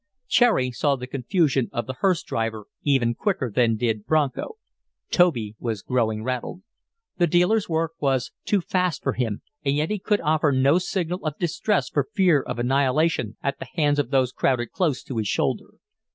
Cherry saw the confusion of the "hearse driver" even quicker than did Bronco. Toby was growing rattled. The dealer's work was too fast for him, and yet he could offer no signal of distress for fear of annihilation at the hands of those crowded close to his shoulder.